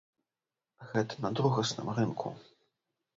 Гэта на другасным рынку.